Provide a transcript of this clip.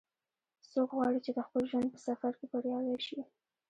څوک غواړي چې د خپل ژوند په سفر کې بریالۍ شي